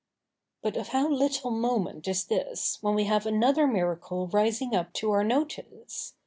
But of how little moment is this, when we have another miracle rising up to our notice!